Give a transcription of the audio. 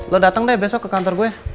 lo datang deh besok ke kantor gue